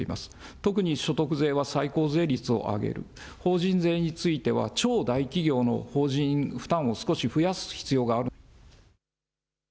特に所得税は最高税率を上げる、法人税については、超大企業の法人負担を少し増やす必要がある。